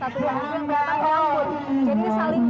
tapi ini menarik